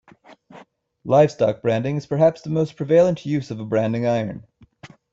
Livestock branding is perhaps the most prevalent use of a branding iron.